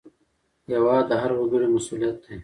هېواد د هر وګړي مسوولیت دی